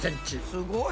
すごい。